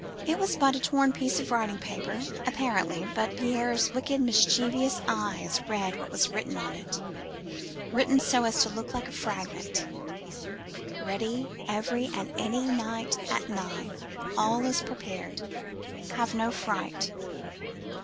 It was but a torn piece of writing paper, apparently, but Pierre's wicked mischievous eyes read what was written on it,—written so as to look like a fragment,—'Ready, every and any night at nine. All is prepared. Have no fright.